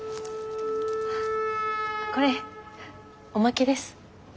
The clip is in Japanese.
これおまけです。